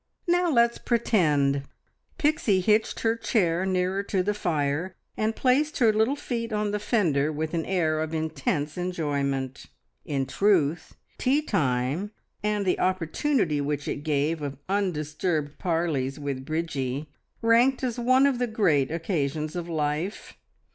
"Now let's pretend!" Pixie hitched her chair nearer to the fire, and placed her little feet on the fender with an air of intense enjoyment. In truth, tea time, and the opportunity which it gave of undisturbed parleys with Bridgie, ranked as one of the great occasions of life.